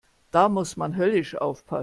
Da muss man höllisch aufpassen.